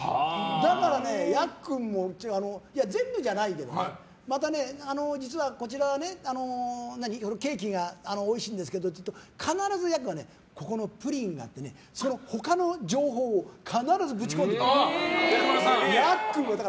だから、やっくんも全部じゃないけどまたね、実はここのケーキがおいしいんですけどって言うと必ずここのプリンがって他の情報を必ずぶち込んでくる。